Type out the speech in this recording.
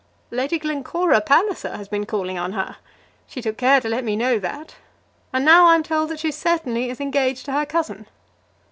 Lady Glencora Palliser has been calling on her. She took care to let me know that. And I'm now told that she certainly is engaged to her cousin."